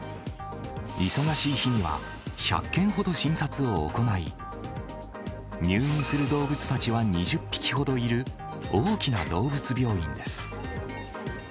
忙しい日には、１００件ほど診察を行い、入院する動物たちは２０匹ほどいる、大きな動物病院です。